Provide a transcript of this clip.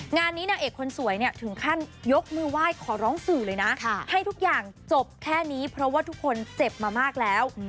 งานนี้นางเอกคนสวยเนี่ยถึงขั้นยกมือไหว้ขอร้องสื่อเลยนะให้ทุกอย่างจบแค่นี้เพราะว่าทุกคนเจ็บมามากแล้ว